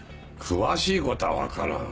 詳しいことは分からん。